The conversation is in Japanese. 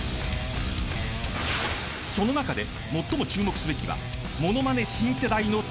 ［その中で最も注目すべきは］